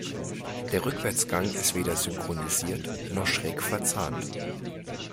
Der Rückwärtsgang ist weder synchronisiert noch schräg verzahnt.